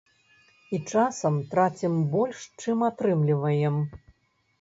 І часам трацім больш, чым атрымліваем.